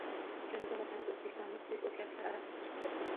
Jonajon Vatanimiz – O‘zbekistonimiz buyuk o‘zgarishlar arafasida turibdi.